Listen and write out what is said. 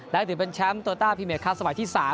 และถือเป็นแชมป์โตต้าพรีเมคครับสมัยที่๓